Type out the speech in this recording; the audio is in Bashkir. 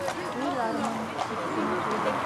Уйлармын, тип кенә ҡуйҙы.